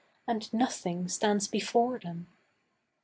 And nothing stands before them.